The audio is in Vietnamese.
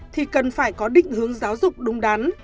thì cần phải có định hướng giáo dục đúng đắn